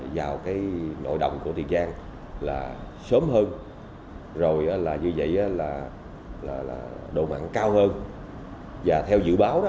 vào cái nội đồng của tiền giang là sớm hơn rồi là như vậy là độ mặn cao hơn và theo dự báo đó